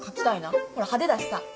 ほら派手だしさ。